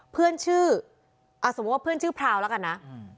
เหมือนว่าเพื่อนชื่อพราวแล้วกันนะ